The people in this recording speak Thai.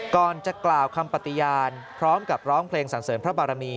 ก่อนจะกล่าวคำปฏิญาณพร้อมกับร้องเพลงสรรเสริมพระบารมี